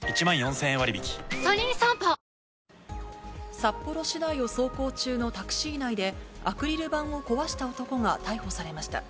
札幌市内を走行中のタクシー内で、アクリル板を壊した男が逮捕されました。